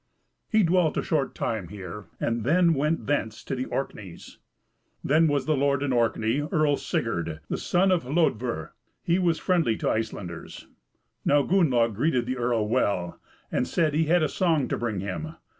He dwelt a short time here, and then went thence to the Orkneys. Then was lord in Orkney, Earl Sigurd, the son of Hlodver; he was friendly to Icelanders. Now Gunnlaug greeted the earl well, and said he had a song to bring him.